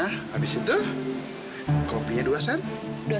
habis itu kopinya dua sana